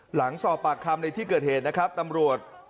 หลังสอบปากคำในที่เกิดเหตุนะครับตำรวจ